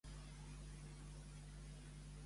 Quina distinció fan els iorubes en referència al crani?